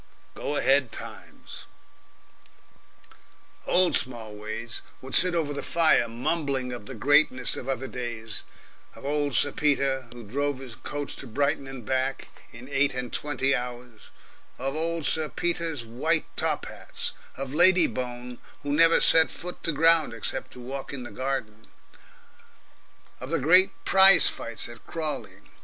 Go ahead Times! Old Smallways would sit over the fire mumbling of the greatness of other days, of old Sir Peter, who drove his coach to Brighton and back in eight and twenty hours, of old Sir Peter's white top hats, of Lady Bone, who never set foot to ground except to walk in the garden, of the great, prize fights at Crawley.